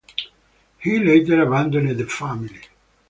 He later abandoned the family.